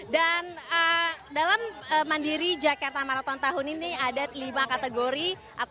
dan dalam bandiri jakarta marathon tahun ini ada lima kategori